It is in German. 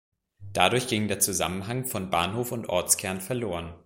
Dadurch ging der Zusammenhang von Bahnhof und Ortskern verloren.